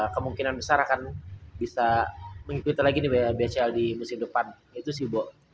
kemungkinan besar akan bisa mengikuti lagi bcl di musim depan itu sih bo